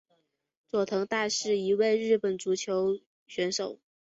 佐藤大是一位日本足球选手。